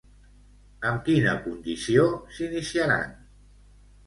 Amb quina condició s'iniciaran?